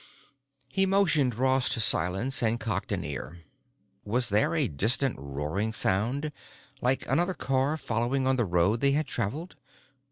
He motioned Ross to silence and cocked an ear. Was there a distant roaring sound, like another car following on the road they had traveled?